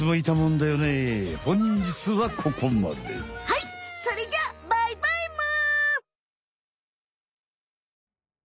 はいそれじゃあバイバイむ！